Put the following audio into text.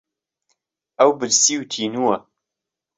ئەو برسی و تینووە.